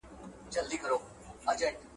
عدالت بايد د ټولني شعار وي.